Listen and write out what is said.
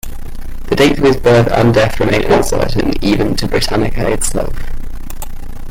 The dates of his birth and death remain uncertain, even to Britannica itself.